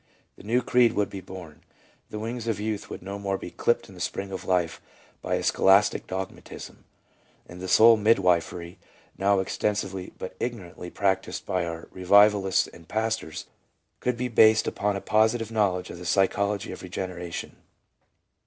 The new creed would be born; the wings of youth would no more be clipped in the spring of life by a scholastic dogmatism ; and the soul midwifery now ex tensively, but ignorantly, practiced by our revivalists and pastors, could be based upon a positive knowledge of the psy chology of regeneration.